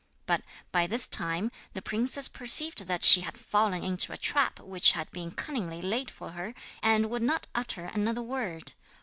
But by this time the princess perceived that she had fallen into a trap which had been cunningly laid for her, and would not utter another word.